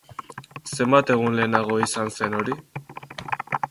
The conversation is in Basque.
Zenbat egun lehenago izan zen hori?